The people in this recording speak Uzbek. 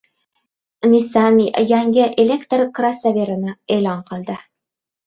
Nissan yangi elektr krossoverini e’lon qildi